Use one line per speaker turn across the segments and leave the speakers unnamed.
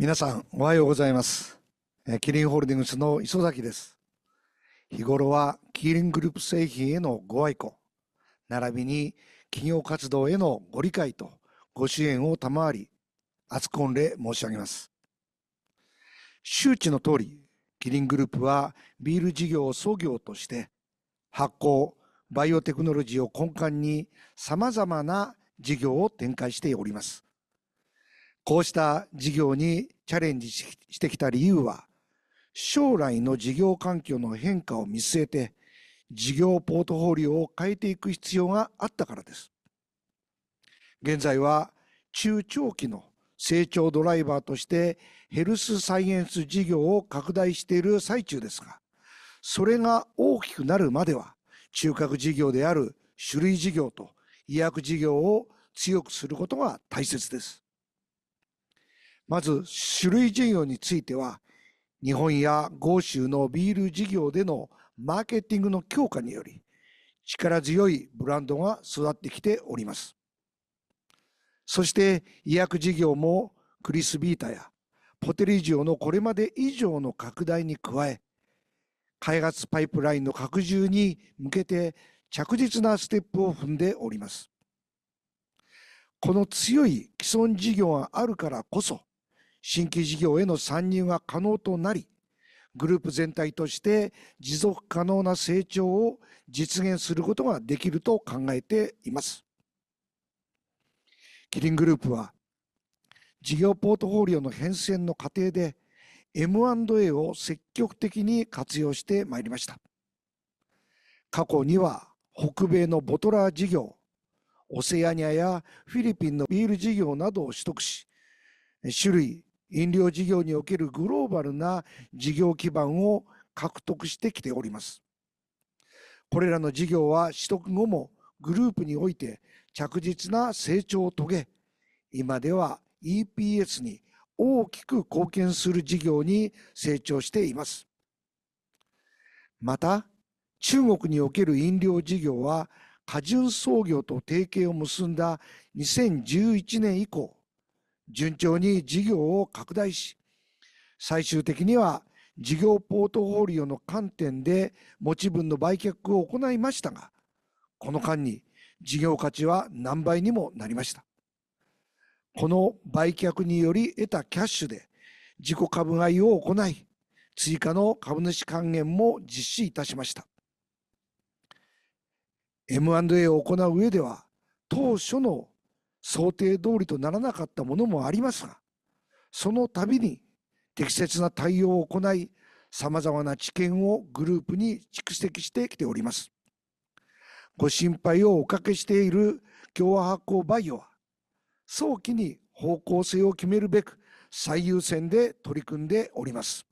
皆さん、おはようございます。キリンホールディングスの磯崎です。日頃はキリングループ製品へのご愛顧、並びに企業活動へのご理解とご支援を賜り、厚く御礼申し上げます。周知の通り、キリングループはビール事業を創業として、発酵バイオテクノロジーを根幹に様々な事業を展開しております。こうした事業にチャレンジしてきた理由は、将来の事業環境の変化を見据えて、事業ポートフォリオを変えていく必要があったからです。現在は中長期の成長ドライバーとしてヘルスサイエンス事業を拡大している最中ですが、それが大きくなるまでは中核事業である酒類事業と医薬事業を強くすることが大切です。まず、酒類事業については、日本や豪州のビール事業でのマーケティングの強化により、力強いブランドが育ってきております。そして、医薬事業もクリスビータやポテリジオのこれまで以上の拡大に加え、開発パイプラインの拡充に向けて着実なステップを踏んでおります。この強い既存事業があるからこそ、新規事業への参入が可能となり、グループ全体として持続可能な成長を実現することができると考えています。キリングループは、事業ポートフォリオの変遷の過程で、M&A を積極的に活用してまいりました。過去には北米のボトラー事業、オセアニアやフィリピンのビール事業などを取得し、酒類飲料事業におけるグローバルな事業基盤を獲得してきております。これらの事業は、取得後もグループにおいて着実な成長を遂げ、今では EPS に大きく貢献する事業に成長しています。また、中国における飲料事業は華潤創業と提携を結んだ2011年以降、順調に事業を拡大し、最終的には事業ポートフォリオの観点で持ち分の売却を行いましたが、この間に事業価値は何倍にもなりました。この売却により得たキャッシュで自己株買いを行い、追加の株主還元も実施いたしました。M&A を行う上では、当初の想定通りとならなかったものもありますが、その度に適切な対応を行い、様々な知見をグループに蓄積してきております。ご心配をおかけしている協和発酵バイオは、早期に方向性を決めるべく最優先で取り組んでおります。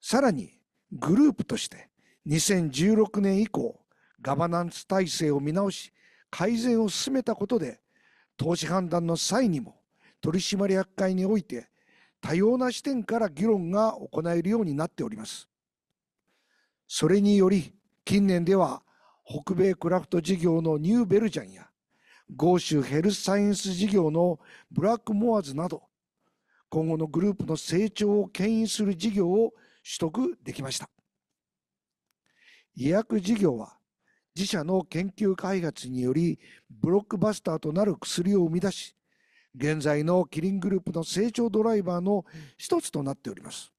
さらに、グループとして2016年以降、ガバナンス体制を見直し、改善を進めたことで、投資判断の際にも取締役会において多様な視点から議論が行えるようになっております。それにより、近年では北米クラフト事業のニューベルジャンや豪州ヘルスサイエンス事業のブラックモアズなど、今後のグループの成長を牽引する事業を取得できました。医薬事業は、自社の研究開発によりブロックバスターとなる薬を生み出し、現在のキリングループの成長ドライバーの一つとなっておりま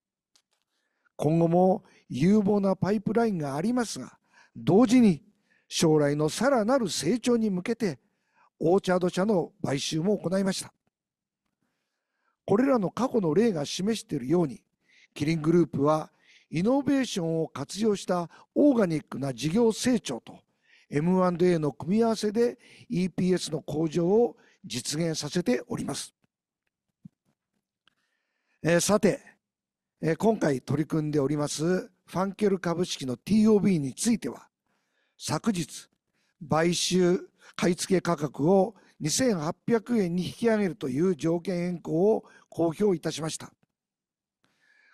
す。今後も有望なパイプラインがありますが、同時に将来のさらなる成長に向けてオーチャード社の買収も行いました。これらの過去の例が示しているように、キリングループはイノベーションを活用したオーガニックな事業成長と M&A の組み合わせで EPS の向上を実現させております。さて、今回取り組んでおりますファンケル株式の TOB については、昨日、買収買付価格を ¥2,800 に引き上げるという条件変更を公表いたしました。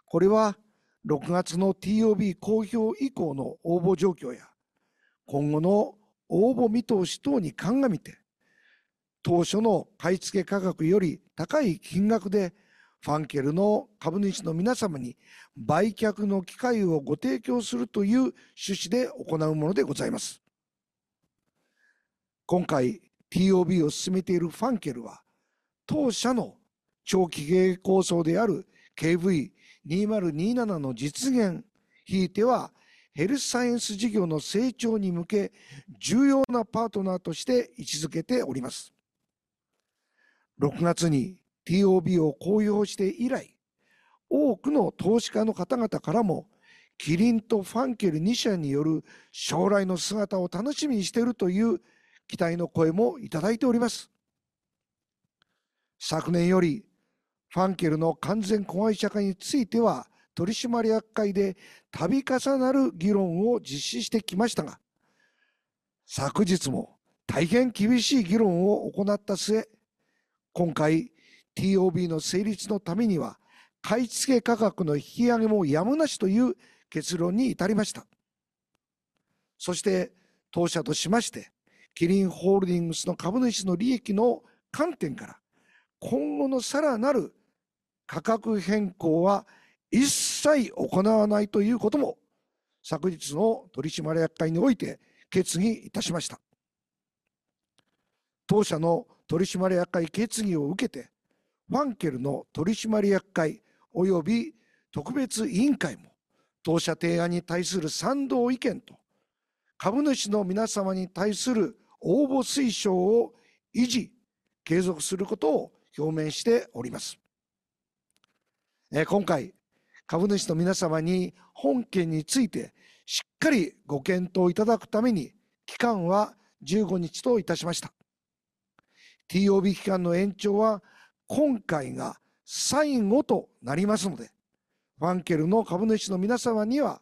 これは、6月の TOB 公表以降の応募状況や今後の応募見通し等に鑑みて、当初の買付価格より高い金額でファンケルの株主の皆様に売却の機会をご提供するという趣旨で行うものでございます。今回 TOB を進めているファンケルは、当社の長期経営構想である KV2027 の実現、ひいてはヘルスサイエンス事業の成長に向け、重要なパートナーとして位置づけております。6月に TOB を公表して以来、多くの投資家の方々からもキリンとファンケル2社による将来の姿を楽しみにしているという期待の声もいただいております。昨年よりファンケルの完全子会社化については、取締役会で度重なる議論を実施してきましたが、昨日も大変厳しい議論を行った末、今回 TOB の成立のためには買付価格の引き上げもやむなしという結論に至りました。そして、当社としまして、キリンホールディングスの株主の利益の観点から、今後のさらなる価格変更は一切行わないということも、昨日の取締役会において決議いたしました。当社の取締役会決議を受けて、ファンケルの取締役会および特別委員会も、当社提案に対する賛同意見と、株主の皆様に対する応募推奨を維持、継続することを表明しております。今回、株主の皆様に本件についてしっかりご検討いただくために、期間は15日といたしました。TOB 期間の延長は今回が最後となりますので、ファンケルの株主の皆様には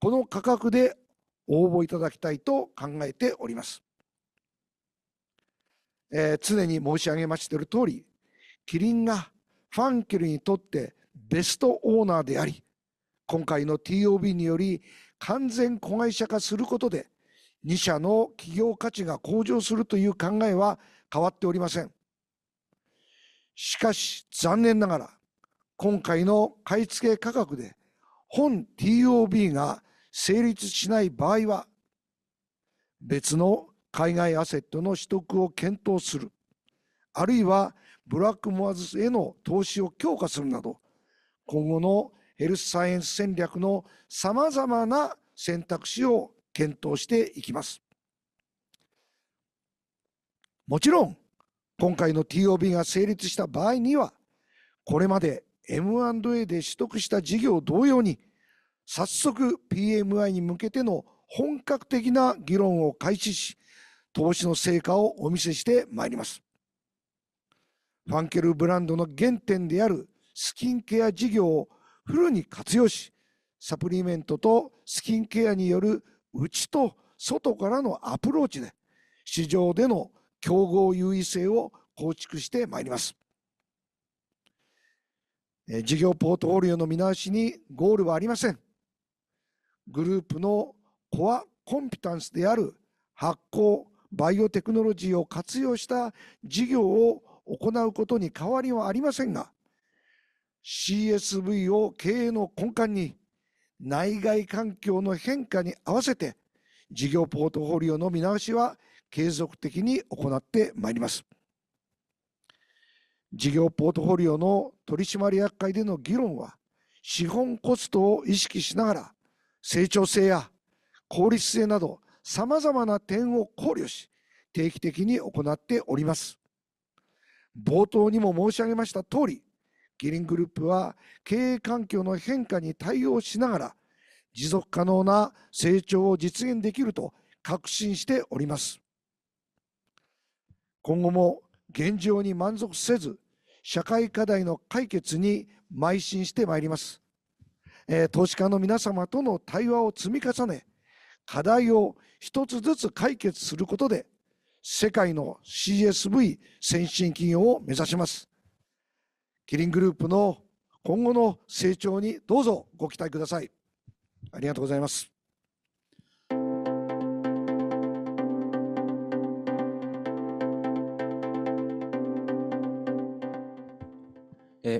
この価格で応募いただきたいと考えております。常に申し上げましているとおり、キリンがファンケルにとってベストオーナーであり、今回の TOB により完全子会社化することで2社の企業価値が向上するという考えは変わっておりません。しかし、残念ながら、今回の買付価格で本 TOB が成立しない場合は、別の海外アセットの取得を検討する、あるいはブラックモアズへの投資を強化するなど、今後のヘルスサイエンス戦略の様々な選択肢を検討していきます。もちろん、今回の TOB が成立した場合には、これまでエムアンドエーで取得した事業同様に、早速 PMI に向けての本格的な議論を開始し、投資の成果をお見せしてまいります。ファンケルブランドの原点であるスキンケア事業をフルに活用し、サプリメントとスキンケアによる内と外からのアプローチで市場での競合優位性を構築してまいります。事業ポートフォリオの見直しにゴールはありません。グループのコアコンピタンスである発酵バイオテクノロジーを活用した事業を行うことに変わりはありませんが、CSV を経営の根幹に、内外環境の変化に合わせて事業ポートフォリオの見直しは継続的に行ってまいります。事業ポートフォリオの取締役会での議論は、資本コストを意識しながら、成長性や効率性など様々な点を考慮し、定期的に行っております。冒頭にも申し上げましたとおり、キリングループは経営環境の変化に対応しながら、持続可能な成長を実現できると確信しております。今後も現状に満足せず、社会課題の解決に邁進してまいります。投資家の皆様との対話を積み重ね、課題を一つずつ解決することで、世界の CSV 先進企業を目指します。キリングループの今後の成長にどうぞご期待ください。ありがとうございます。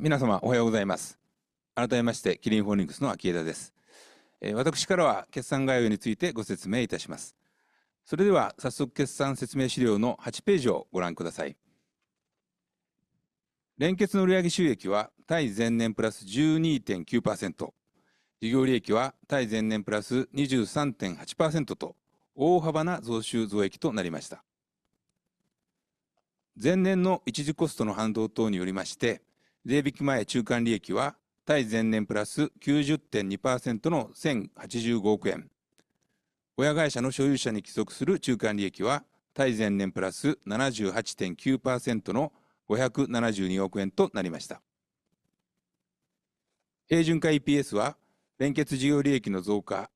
皆様、おはようございます。改めまして、キリンホールディングスの秋枝です。私からは決算概要についてご説明いたします。それでは、早速決算説明資料の8ページをご覧ください。連結の売上収益は対前年プラス 12.9%、事業利益は対前年プラス 23.8% と大幅な増収増益となりました。前年の一次コストの反動等によりまして、税引き前中間利益は対前年プラス 90.2% の 1,085 億円、親会社の所有者に帰属する中間利益は対前年プラス 78.9% の572億円となりました。平準化 EPS は連結事業利益の増加、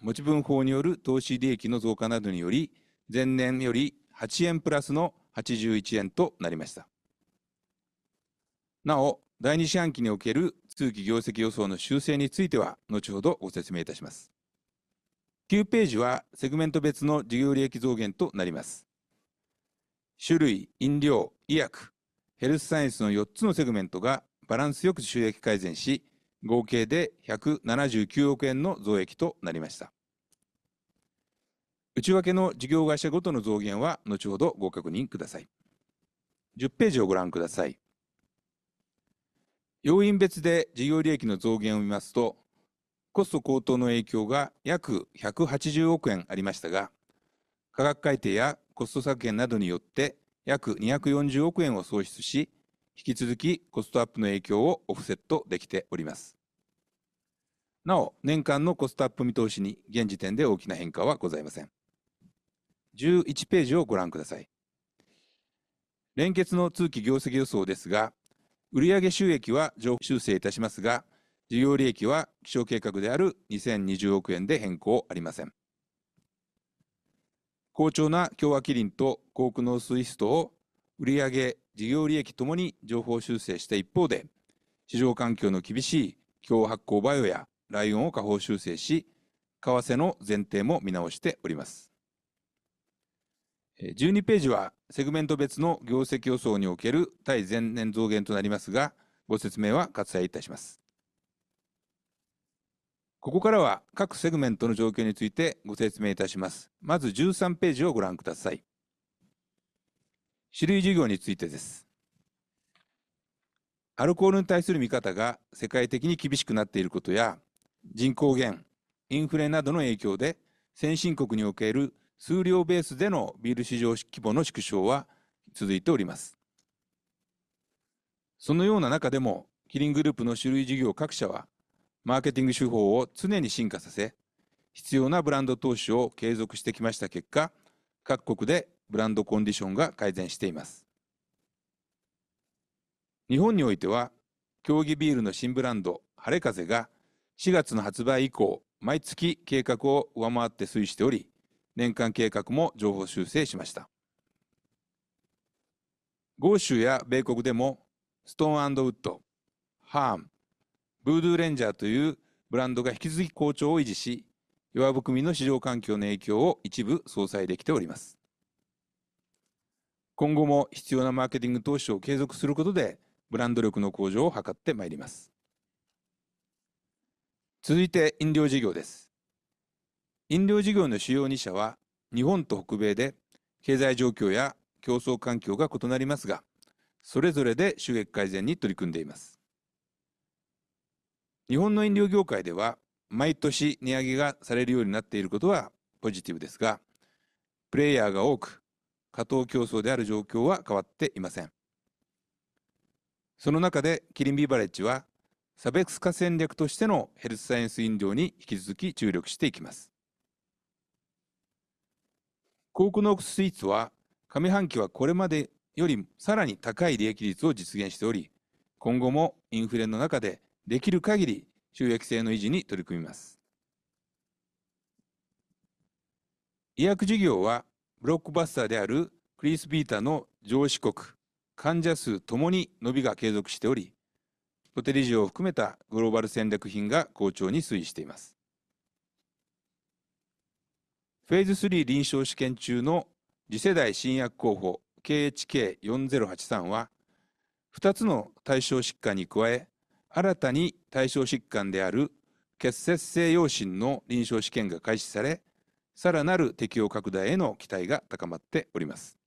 持ち分法による投資利益の増加などにより、前年より8円プラスの81円となりました。なお、第2四半期における通期業績予想の修正については後ほどご説明いたします。9ページはセグメント別の事業利益増減となります。酒類、飲料、医薬、ヘルスサイエンスの4つのセグメントがバランスよく収益改善し、合計で179億円の増益となりました。内訳の事業会社ごとの増減は後ほどご確認ください。10ページをご覧ください。要因別で事業利益の増減を見ますと、コスト高騰の影響が約180億円ありましたが、価格改定やコスト削減などによって約240億円を創出し、引き続きコストアップの影響をオフセットできております。なお、年間のコストアップ見通しに現時点で大きな変化はございません。11ページをご覧ください。連結の通期業績予想ですが、売上収益は上方修正いたしますが、事業利益は期初計画である 2,020 億円で変更ありません。好調な協和キリンとコークノースイストを売上、事業利益ともに上方修正した一方で、市場環境の厳しい共発酵バイオやライオンを下方修正し、為替の前提も見直しております。12ページはセグメント別の業績予想における対前年増減となりますが、ご説明は割愛いたします。ここからは各セグメントの状況についてご説明いたします。まず13ページをご覧ください。酒類事業についてです。アルコールに対する見方が世界的に厳しくなっていることや、人口減、インフレなどの影響で、先進国における数量ベースでのビール市場規模の縮小は続いております。そのような中でも、キリングループの酒類事業各社はマーケティング手法を常に進化させ、必要なブランド投資を継続してきました。結果、各国でブランドコンディションが改善しています。日本においては、競技ビールの新ブランド「ハレカゼ」が4月の発売以降、毎月計画を上回って推移しており、年間計画も上方修正しました。豪州や米国でもストーンアンドウッド、ハーム、ブードゥーレンジャーというブランドが引き続き好調を維持し、弱含みの市場環境の影響を一部相殺できております。今後も必要なマーケティング投資を継続することで、ブランド力の向上を図ってまいります。続いて飲料事業です。飲料事業の主要二社は、日本と北米で経済状況や競争環境が異なりますが、それぞれで収益改善に取り組んでいます。日本の飲料業界では毎年値上げがされるようになっていることはポジティブですが、プレイヤーが多く、過当競争である状況は変わっていません。その中でキリンビバレッジは差別化戦略としてのヘルスサイエンス飲料に引き続き注力していきます。コークノックスイーツは、上半期はこれまでよりさらに高い利益率を実現しており、今後もインフレの中でできる限り収益性の維持に取り組みます。医薬事業はブロックバスターであるクリースビータの上市国、患者数ともに伸びが継続しており、ポテリジを含めたグローバル戦略品が好調に推移しています。フェーズ3臨床試験中の次世代新薬候補、KHK4083 は、2つの対象疾患に加え、新たに対象疾患である結節性多発動脈炎の臨床試験が開始され、さらなる適応拡大への期待が高まっておりま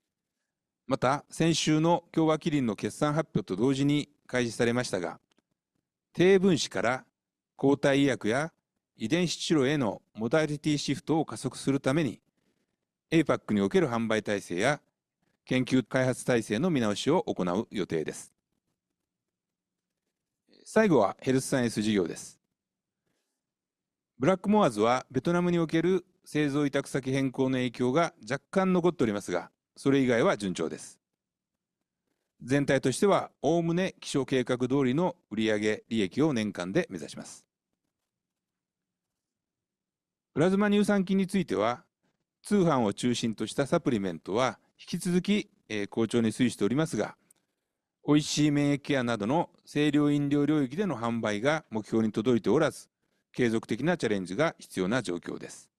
す。また、先週の協和キリンの決算発表と同時に開示されましたが、低分子から抗体医薬や遺伝子治療へのモダリティシフトを加速するために、APAC における販売体制や研究開発体制の見直しを行う予定です。最後はヘルスサイエンス事業です。ブラックモアズは、ベトナムにおける製造委託先変更の影響が若干残っておりますが、それ以外は順調です。全体としては、おおむね期初計画通りの売上利益を年間で目指します。プラズマ乳酸菌については、通販を中心としたサプリメントは引き続き好調に推移しておりますが、おいしい免疫ケアなどの清涼飲料領域での販売が目標に届いておらず、継続的なチャレンジが必要な状況です。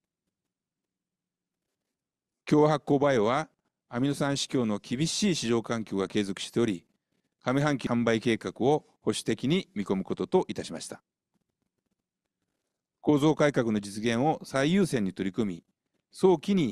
共発酵バイオはアミノ酸市況の厳しい市場環境が継続しており、上半期販売計画を保守的に見込むこととしました。構造改革の実現を最優先に取り組み、早期に。